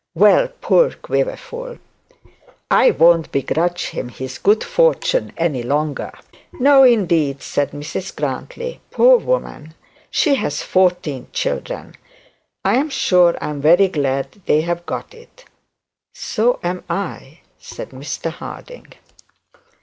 Well, poor Quiverful! I won't begrudge him his good fortune any longer.' No, indeed,' said Mrs Grantly. 'Poor woman, she has fourteen children. I am sure I am very glad they have got it.' 'So am I,' said Mr Harding.